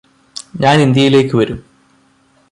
ഞാന് ഇന്ത്യയിലേക്ക് വരും